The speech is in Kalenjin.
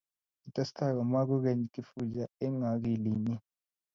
Kitestai komwa kokeny Kifuja eng akilinyi